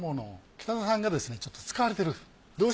北田さんがですねちょっと使われてるんです。